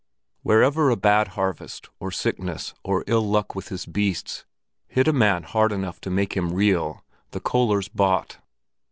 Wherever a bad harvest or sickness or ill luck with his beasts hit a man hard enough to make him reel, the Köllers bought.